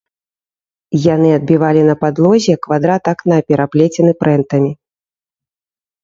Яны адбівалі на падлозе квадрат акна, пераплецены прэнтамі.